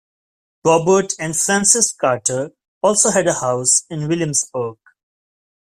Robert and Frances Carter also had a house in Williamsburg.